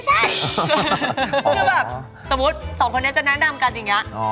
คือแบบสมมุติสองคนนี้จะแนะนำกันอย่างนี้